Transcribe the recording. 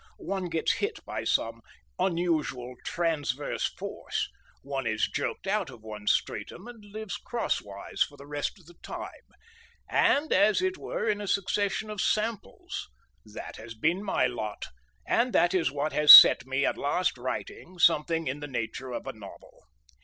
One gets hit by some unusual transverse force, one is jerked out of one's stratum and lives crosswise for the rest of the time, and, as it were, in a succession of samples. That has been my lot, and that is what has set me at last writing something in the nature of a novel.